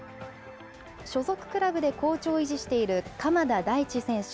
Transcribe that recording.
所属クラブで好調を維持している鎌田大地選手